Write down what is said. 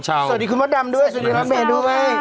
สวัสดีคุณบ๊อคดำด้วยสวัสดีคุณล้มเบรด้วย